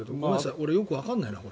俺、よくわからないな、これ。